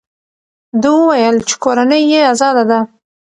ده وویل چې کورنۍ یې ازاده ده.